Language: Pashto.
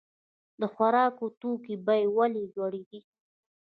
د خوراکي توکو بیې ولې لوړې دي؟